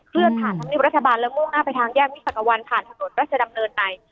เพื่อผ่านธรรมเนียบรัฐบาลและมุ่งหน้าไปทางแยกวิสักวันผ่านถนนราชดำเนินใน